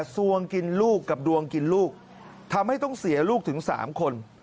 ซวงกินลูกกับดวงกินลูกทำให้ต้องเสียลูกถึง๓คน